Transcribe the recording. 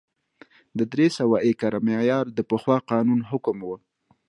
د درې سوه ایکره معیار د پخوا قانون حکم و